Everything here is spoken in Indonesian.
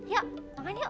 yuk makan yuk